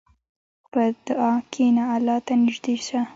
په دعا کښېنه، الله ته نږدې شه.